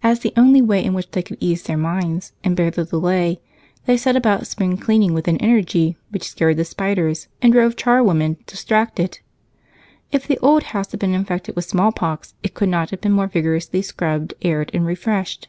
As the only way in which they could ease their minds and bear the delay, they set about spring cleaning with an energy which scared the spiders and drove charwomen distracted. If the old house had been infected with smallpox, it could not have been more vigorously scrubbed, aired, and refreshed.